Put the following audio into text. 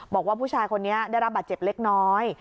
บอกว่าผู้ชายคนนี้ได้รับบาดเจ็บเล็กน้อย